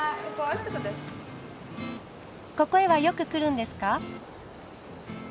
ここへはよく来るんですか？